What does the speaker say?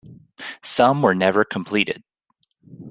Some were never completed.